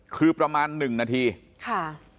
คือประมาณ๑นาทีค่ะ